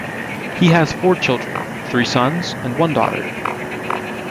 He has four children; three sons and one daughter.